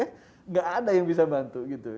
enggak ada yang bisa bantu